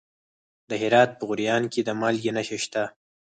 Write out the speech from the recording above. د هرات په غوریان کې د مالګې نښې شته.